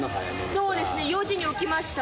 そうですね４時に起きました。